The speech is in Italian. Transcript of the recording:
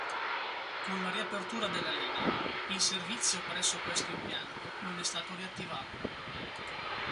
Con la riapertura della linea, il servizio presso questo impianto non è stato riattivato.